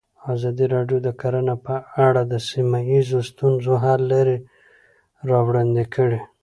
ازادي راډیو د کرهنه په اړه د سیمه ییزو ستونزو حل لارې راوړاندې کړې.